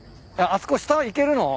あそこ下行けるの？